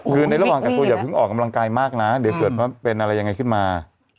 คือในระหว่างกักตัวอย่าเพิ่งออกกำลังกายมากนะเดี๋ยวเกิดว่าเป็นอะไรยังไงขึ้นมา